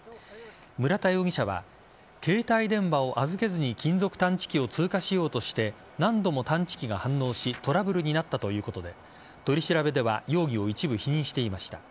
村田容疑者は携帯電話を預けずに金属探知機を通過しようとして何度も探知機が反応しトラブルになったということで取り調べでは容疑を一部否認していました。